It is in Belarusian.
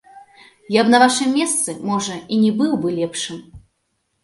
Я б на вашым месцы, можа, і не быў бы лепшым.